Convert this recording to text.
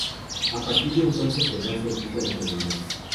A partir de entonces se da servicio a la comunidad.